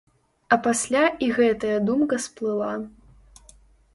А пасля і гэтая думка сплыла.